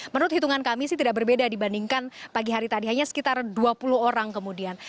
menurut hitungan kami sih tidak berbeda dibandingkan pagi hari tadi hanya sekitar dua puluh orang kemudian